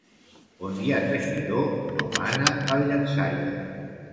On hi ha teixidor no mana el llançaire.